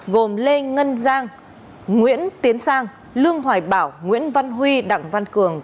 gồm lê ngân giang nguyễn tiến sang lương hoài bảo nguyễn văn huy đặng văn cường